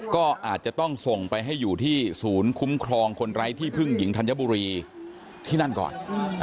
ก็อาจจะต้องส่งไปให้อยู่ที่ศูนย์คุ้มครองคนไร้ที่พึ่งหญิงธัญบุรีที่นั่นก่อน